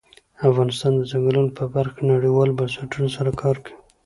افغانستان د ځنګلونه په برخه کې نړیوالو بنسټونو سره کار کوي.